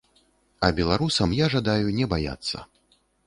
А беларусам я жадаю не баяцца.